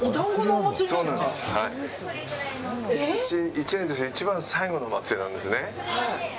１年を通して一番最後のお祭りなんですね。